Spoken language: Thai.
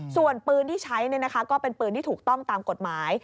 ส่วนปืนที่ใช้ก็เป็นปืนที่ถูกต้องตามกฎหมาย